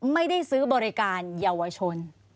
ไม่ได้ซื้อบริการเยาวชน